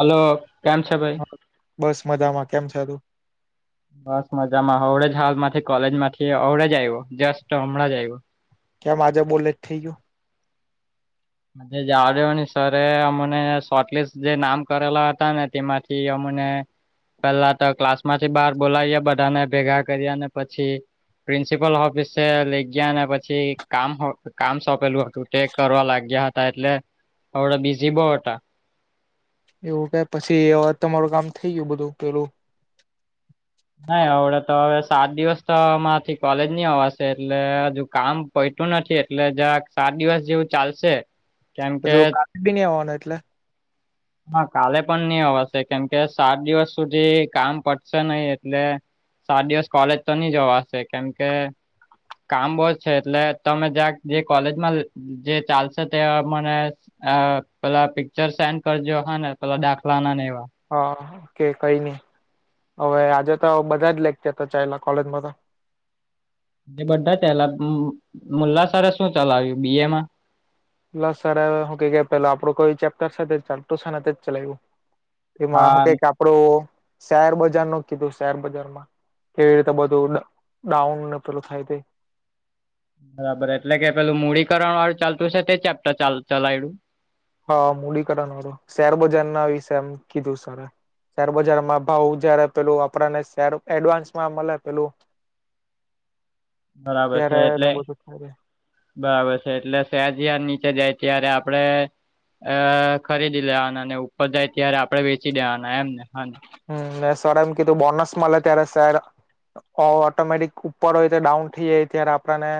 Hello કેમ છે ભાઈ? હા, બસ મજામાં કેમ છે તું? બસ મજામાં હવડે જ હાલ માંથી કોલેજમાંથી હવડેજ આવ્યો જસ્ટ હમણાં જ આવ્યો. કેમ આજે બો લેટ થઈ ગીયો? આજે જાવા દો ની સર એ અમને શોટ લિસ્ટ જે નામ કરેલા હતા ને તેમાંથી અમને પેલા તો ક્લાસ માંથી બહાર બોલાવીએ બધાને ભેગા કર્યા અને પછી પ્રિન્સિપલ હોફિસે લઈ ગયા ને પછી કામ હો કામ સોંપેલું હતું ચેક કરવા લાગ ગ્યા હતા એટલે હવડે બીઝી બોવ હતા. એવું કે પછી આવ તમારું કામ થઈ ગયું બધું પેલું. નહી હવડે તો હવે સાત દિવસ તો મારાથી કોલેજ નહી અવાશે એટલે હજુ કામ પૈતું નથી એટલે જરાક સાત દિવસ જેવું ચાલશે. કેમ કે હજુ કાલે બી ની આવવાનું એટલે. હા કાલે પણ ની અવાશે કેમકે સાત દિવસ સુધી કામ પડશે નહી એટલે સાત દિવસ કોલેજ તો ની જ જવાશે કેમ કે કામ બોહ જ છે એટલે તમે જરાક જે કોલેજમાં જે ચાલશે તે મને અ પલા પિક્ચર સેન્ડ કરજો હને પેલા દાખલાના ને એવા. હા કે કઈ નઈ હવે આજે તો બધા જ લેક્ચર તો ચાઈલા કોલેજમાં તો. એ બધા ચાઈલા મુલ્લાસરે શું ચલાવ્યું બી એમાં? મુલ્લા સરે હું કે પેલા આપડું કોઈ ચેપ્ટર છે ને ચાલતું છે તેજ ચલાવ્યું. એમાં હું હા કેય કે આપડુ શેરબજારનુ કીધું શેર બજાર માં. કેવી રીતે બધું ડ ડાઉન ને પેલું થાય તે. બરાબર એટલે કે પેલું મૂડીકરણ વાળું ચાલતું છે તે ચેપ્ટર ચાલ ચલાવ્યુ. હા મૂડીકરણ વાળું શેરબજાર ના વિશે એમ કીધું સરે. શેરબજારમાં ભાવ જયારે પેલું આપડાને શેર એડવાન્સ માં મળે પેલું [inaudible] બરાબર છે એટલે ત્યારેને બધું થાય બરાબર છે, એટલે સેજાર નીચે જાય ત્યારે આપડે અ, ખરીદી લેવાના અને ઉપર જાય ત્યારે આપડે વેચી દેવાના એમ ને? હા. હમ, સર એમ કીધું બોનસ મળે ત્યારે સર ઓટોમેટિક ઉપર હોય છે ડાઉન થઈ જાય ત્યારે આપણને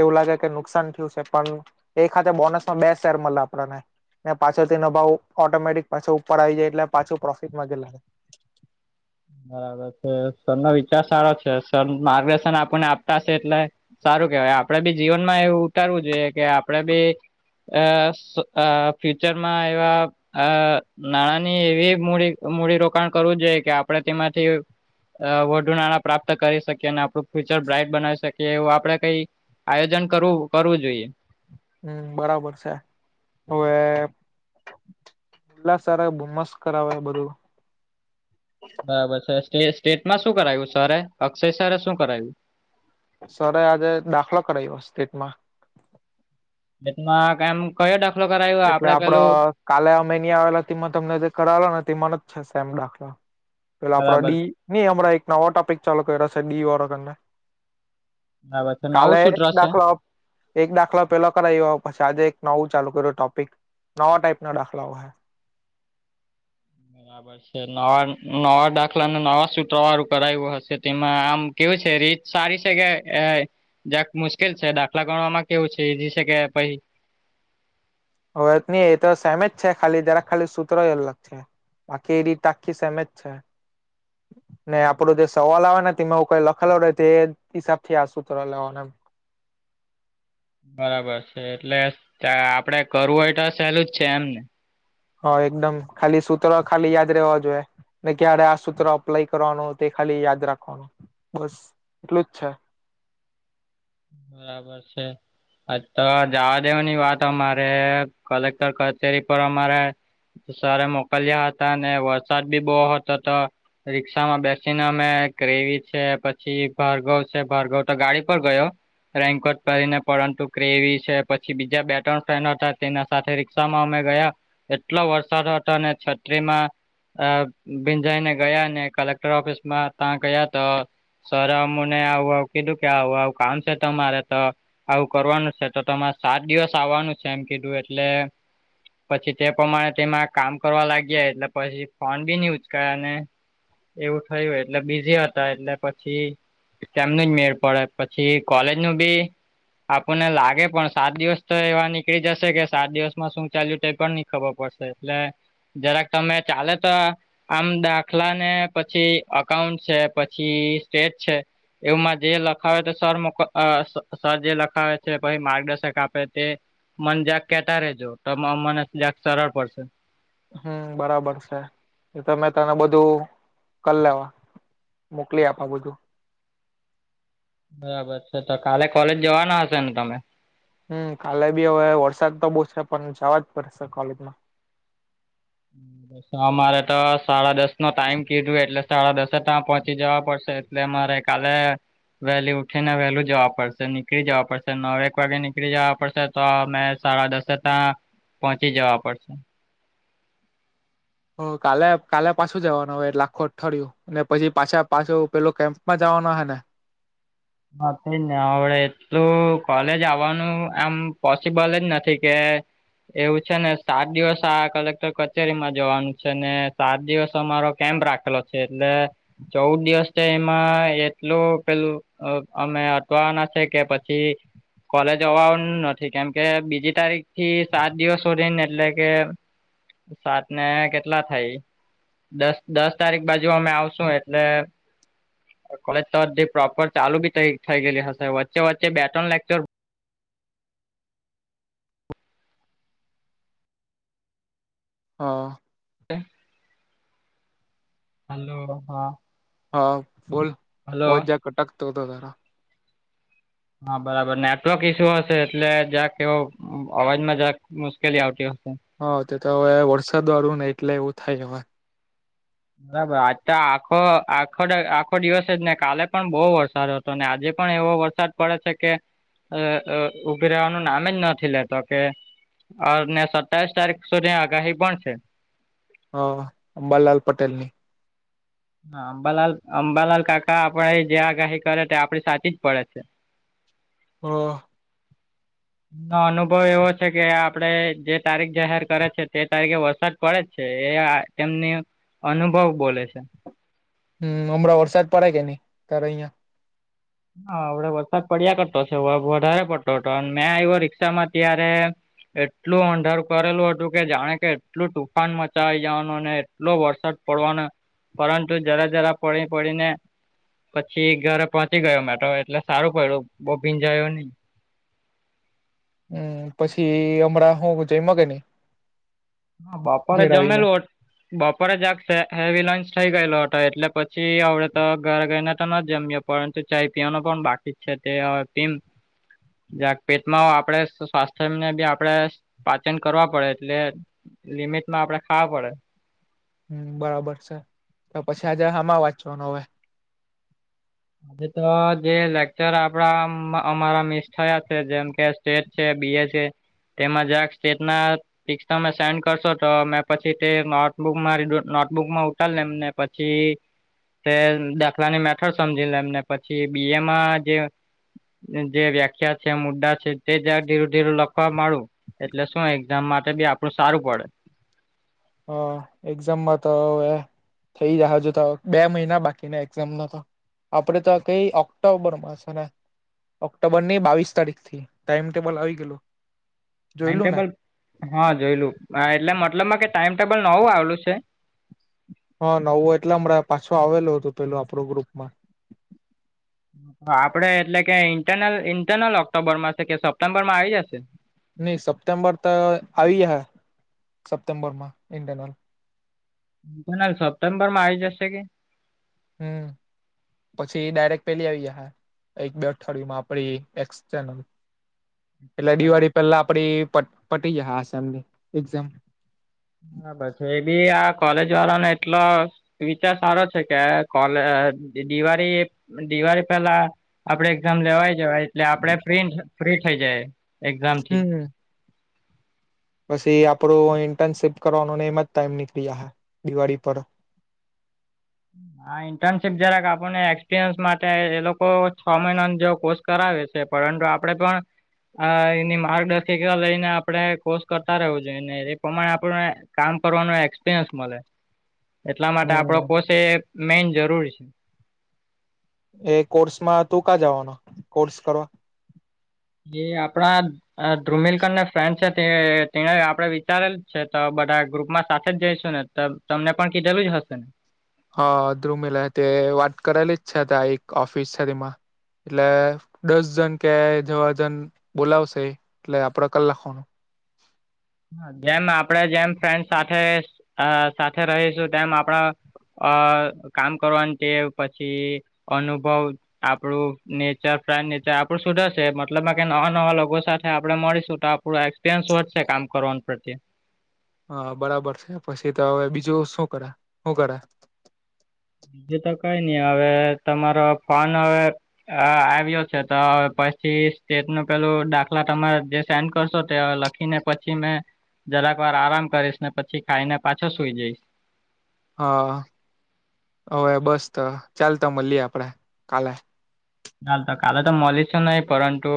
એવું લાગે કે નુકસાન થ્યું છે પણ એક હાથે બોનસમાં બે શેર મળે આપણને ને પાછોથી એનો ભાવ ઉ ઓટોમેટિક પાછો ઉપર આવી જાય એટલે પાછું પ્રોફિટ માંગી લે. બરાબર છે તેમનો વિચાર સારો છે સ અ માર્ગદર્શન આપનને આપતા હશે એટલે સારું કેહવાય આમ આપડે બી જીવન માં એવું ઉતારવું જોઈએ કે આપડે બી અ સ અ ફ્યુચરમાં એવા અ નાણાંની એવી મૂડી મૂડીરોકાણ કરવું જોઈએ કે આપણેે તેમાંથી અ વધુ નાણાં પ્રાપ્ત કરી શકીએ અને આપણું ફ્યુચર બ્રાઈટ બનાવી શકીએ એવું આપણે કઈ આયોજન કરવું કરવું જોઈએ. હમ, બરાબર છે. હવે એટલા સારા બુમ્મસ કરાવવા બધું બરાબર છે. સ્ટેસ સ્ટેટમાં શું કરાયું સરે, અક્ષય સરે શું કરાયું? સર આજે દાખલો કરાવ્યો સ્ટેટમાં. બેટમાં કામ કયો દાખલો કરાયો? એટલે આપડે પેલું આપડ કાલે અમેની આવેલા તેમાં તમને જે કરાવેલો ને તેમાંનો જ છે સેમ દાખલો. પેલા આપડા બરાબર ડી નઈ હમણાં એક નવો ટોપિક ચાલુ કરશે ડી વારો તમને. બરાબર છે નવું કાલે સૂત્ર એક છે. દાખલો એક દાખલો પેલા કરાવ્યો પછી આજે એક નવું ચાલુ કર્યું ટો કઈક નવા ટાઈપના દાખલાઓ હે. બરાબર છે. નવા નવા દાખલાને નવા સૂત્રવારું કરાયું હશે તેમાં આમ કેવું છે? રીત સારી છે કે એ જરાક મુશ્કેલ છે. દાખલા ગણવામાં કેવું છે ઈ જ છે કે પહી હોવે નહીં એ તો સેમે જ છે ખાલી, જરાક ખાલી સૂત્રોય અલગ છે. બાકી એ રીત આખી સેમ જ છે, ને આપડો જે સવાલ આવે ને તીમાં હું કઈ લ ખેલો રહેે તે હિસાબથી આ સુત્ર લેવાનો એમ. બરાબર છે, એટલે આપડે કરવું હોય તો સહેલું જ છે એમને હા એકદમ, ખાલી સૂત્રો ખાલી યાદ રહેવા જોઈએ. ને ક્યારે આ સૂત્ર અપ્લાય કરવાનું તે ખાલી યાદ રાખવાનું, બસ એટલું જ છે. બરાબર છે. અ તો જવા દેવાની વાત અમારે કલેક્ટર કચેરી પર અમારે સરે મોકલ્યા હતા અને વરસાદ બી બવ હતો તો રિક્ષામાં બેસીને અમે ક્રેવી છે પછી ભારગવ ભારગવ તો ગાડી પર ગયો રેન્કોટ કરીને પરંતુ ક્રેવી છે પછી બીજા બે ત્રણ ફ્રેન્ડ હતા તેના સાથે રિક્ષામાં અમે ગયા એટલો વરસાદ હતો અને છત્રીમાં અ ભીંજાઈને ગયા અને કલેક્ટર ઓફિસમાં ત્યાં ગયા તો સરે અમને આવુ આવુ કીધું કે આવુ આવુ, કામ છે તમારે તો આવું કરવાનું છે તો તમારે સાત દિવસ આવવાનું છે એમ કીધું એટલે પછી તે પ્રમાણે તેમાં કામ કરવા લાગ્યા એટલે પછી ફોન બી ની ઉચકાય અને એવું થયું એટલે બીઝી હતા એટલે પછી કેમનું મેળ પડે પછી કોલેજનું બી આપણને લાગે પણ સાત દિવસ તો એવા નીકળી જશે કે સાત દિવસ માં શું ચાલ્યું તે પણ ની ખબર પડશે, એટલે જરાક તમે ચાલે તો આ આમ દાખલા ને પછી અકાઉન્ટ છે, પછી સ્ટેટ છે, એવુંમાં જે લખાવે ત સર મો અ-અ સ સર જે લખાવે તે પહિ માર્ગદર્શક આપે તે મન જાક કેતા રેજો ત મ મને જક સરળ પડશે. હમ, બરાબર છે. એ તો મેં તને બધું કર લેવા. મોકલી આપા બધું. બરાબર છે તો કાલે કોલેજ જવાના હશે ને તમે? હમ, કાલે બી હવે વરસાદ તો બો સે પણ જાવા જ પડશે કોલેજમાં. અમારે તો સાડા દસ નો ટાઈમ કીધું એટલે સાડા દસે તા પહોંચી જવા પડશે એટલે મારે કાલે વહેલી ઉઠીને વહેલું જવા પડશે, નીકળી જવા પડશે નવેક વાગે નીકળી જાવા પડશે તો મે સાડા દશે તા પહોંચી જાવ પડશે. તો કાલે કાલે પાસું જવાનું અવે એટલે આખું અઠવાડિયું. ને પછી પાછા પાસો પેલો કેમ્પમાં જાવાનો અહે ને? હ, તેજ ને અવડે એટલું કોલેજ આવવાનું એમ પોસિબલ જ નથી કે એવું છે ને સાત દિવસ આ કલેક્ટર કચેરીમાં જવાનું છે ને સાત દિવસ અમારો કેમ્પ રાખ [unintelligible] એટલે ચઉદ દિવસ તો એમા એટલું પેલ અ અમે અટવાવાના છે કે પછી કોલેજ અવાવાનું નથી કેમ કે બીજી તારીખ થી સાત દિવસ સુધીનુ એટલે કે સાત ને કેટલા થાય? દસ દસ તારીખ બાજુ અમે આવશું એટલે કોલેજ તો અધી પ્રોપર ચાલુ બી થઈ થઈ ગયેલી હશે, વચ્ચે વચ્ચે બે ત્રણ લેક્ચર હ. હલો! હા. હ, બોલ! હલો અવાજ જક અટકતો અતો તારો. હા, બરાબર. નેટવર્ક ઈસ્યુ હશે એટલે જક એવો અવ અવાજમાં જરાક મુશ્કેલી આવતી અહે. હ, તેતો હવે વરસાદ વાળું ને એટલે એવું થાય હવે. બરાબર, આજ તો આખો આખો દાળ આખો દિવસ જ ને કાલે પણ બો વરસાદો હતો. તો ને આજે પણ એવો વરસાદ પડે છે કે અ અ ઉભી રેવાનું નામે જ નથી લેતો કે અને સત્તાવીસ તારીખ સુધી આગાહી પણ છે. હ, અંબાલાલ પટેલ ની. હા, અંબાલાલ અંબાલાલ કાકા આપણે જે આગાહી કરે તે આપડી સાચી જ પડે છે. હ. નો અનુભવ એવો છે કે આપડે જે તારીખ જાહેર કરે છે તે તારીખે વરસાદ કરે જ છે એ આ એમની અનુભવ બોલે છે. હમ, અમણાં વરસાદ પડે કે ની તારા અયા? હા, અવડે વરસાદ પડ્યા કરતો છે વ વધારે પડતો હતો ને મેં આયવો રિક્ષામાં ત્યારે એટલું અંધારુ પારેલું હતું કે જાણે કે એટલું તુફાન મચાવી જાવાનું ઓય ને અટલો વરસાદ પડવાનો પરંતુ જરા જરા પડી પડીને પછી ઘરે પહોંચી ગયો મેતો એટલે સારું પયડુ બૉ ભીંજાયો ની. હમ, પછી અમણાં હું જઈમો કે ની? હા, બાપરે જમેલું. [unintelligible] બપોરે જ આ હેવી લંચ થઈ ગયેલો હતો એટલે પછી આવડે તો ઘર જઈને તો ન જમ્યો. પરંતુ ચાય પીવાનું પણ બાકી છે તે હ પી. જ્યાંક પેટમાં આપડે સ્વાસ્થ્યને બી આપડે પાચન કરવા પડે એટલે લિમિટ માં આપડે ખાવા પડે. હમ બરાબર છે તો પછી આજે હમાં વાચવાનો હવે. તો જે લેક્ચર આપડા અમારા મિસ થયા છે જેમ કે સ્ટેટ છે, બીએ છે, તેમાં જ આ સ્ટેટ ના પિક્સ તમે સેન્ડ કરશો તો મેં પછી તે નોટબુક મારી નોટબુકમાં ઉતાળને એમને પછી તે દાખલાની મેથોડ્સ સમજી લે એમને પછી બીએ માં જે જે વ્યાખ્યા છે મુદ્દા છે તે જરા ધીરુ ધીર લખવા માંડુ. એટલે શું એક્ઝામ માટે બી આપડું સારું પડે. હ એક્ઝામમાં તો એ થઈ જહે જોતા, બે મહિના બાકીને એક્ઝામ નતો. આપડે તો કઈ ઓક્ટોબરમાં છે ને ઓક્ટોબર ની બાવીસ તારીખ થી ટાઈમ ટેબલ આવી ગયેલુ. ટાઈમટેબલ હા જોઈલું એટલે મતલબમાં કે ટાઈમટેબલ નવું આવેલું છે? હા નવો એટલે હમણાં પાછો આવેલો હતો પેલું આપણો ગ્રુપ માં. આપડે એટલે કે ઇન્ટરનલ, ઇન્ટરનલ ઓક્ટોબરમાં છે કે સપ્ટેમ્બર માં આવી જશે? નહી સપ્ટેમ્બર તો આવી જહે સપ્ટેમ્બર માં ઇન્ટરનલ. ઇન્ટર્નલ સપ્ટેમ્બર માં આવી જશે કે? હમ. પછી ડાયરેક્ટ પેલી આવી જાહે એક બે અઠવાડિયું માં આપડી એક્સટર્નલ. એટલે દિવાળી પેલા આપડી પટી જાહે આ સેમ ની એક્ઝામ. એ બી આ કોલેજ વાળ ને એટલો વિચાર સારો છે કે આ કોલેજ દિવાળી, દિવાળી પેલા આપડે એક્ઝામ લેવાઈ જવાય એટલે આપડે ફ્રી, ફ્રી થઇ જાય એક્ઝામ થી. હમ પછી આપડો ઇન્ટર્નશીપ કરવાનોને એમ જ ટાઈમ નીકળી જહે દિવાળી પર. હા ઇન્ટર્નશીપ જરાક આપણને એક્સપિરિયન્સ માટે એ લોકો છ મહિના જે કોર્સ કરાવે છે પરંતુ આપડા ક્લાસ આ એની માર્ગદર્શિક લઈને આપણે કોર્સ કરતા રહેવું જોઈએને એ પ્રમાણે આપણે કામ કરવાનું એક્સપિરિયન્સ મળે. [inaudible] એટલા માટે આપડો હમ કોર્સ એ મેન જરૂરી છે. એ કોર્સમાં તું કાં જવાનો કોર્સ કરવા? જે આપણા ધ્રુમિલકનને ફ્રેન્ડ છે તેને આપડણે વિચારેલ છે તો બધા ગ્રુપમાં સાથે જ જઈશું ને? ત તમને પણ કીધેલું જ હશે ને. હા ધ્રુમિલ તે વાત કરેલી જ છે ત્યા એક ઓફિસ છે તેમાં. એટલે દસ જન કે એવા જણ બોલાવશે એટલે આપડે કલાક લખવાનું. જેમ આપણે જેમ ફ્રેન્ડ સાથે, આ સાથે રહીશું તેમ આપણા અ કામ કરવાની ટેવ પછી અનુભવ આપડું નેચર ફ્રેન્ડ નેચર આપણું સુધારશે મતલબ કે નવા નવા લોકો સાથે આપડે મળીશું તો થોડુ એક્સપિરિયન્સ વધશે કામ કરવા પ્રતિ. હા બરાબર છે પછી તો હવે બીજું શું કરે, હું કરે. બીજું તો કઈ નહી હવે તમારો ફોન હવે અ આવ્યો છે તો પછી સ્ટેટ નું પેલું દાખલા તમારે જે સેન્ડ કરશો તે લખી એના પછી મેં જરાક વાર આરામ કરીશ ને પછી ખાઈને પાછો સુઈ જઈશ. હા હવે બસ તો ચાલ તો મળીએ આપણે કાલે. ચાલ તો કાલે તો મળીશ નહી પરંતુ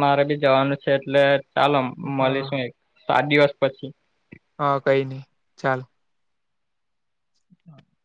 મારે બી જવાનું છે એટલે ચાલો હ મળીશું એક સાત દિવસ પછી. હા કઈ નહી ચાલ. [inaudible]